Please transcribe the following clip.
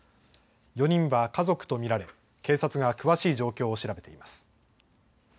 ４人は家族と見られ警察が詳しい状況を調べています。